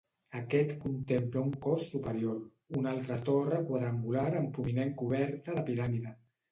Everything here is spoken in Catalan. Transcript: Aquest contempla un cos superior, una altra torre quadrangular amb prominent coberta de piràmide.